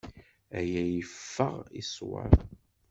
Aya yeffeɣ i ṣṣwab.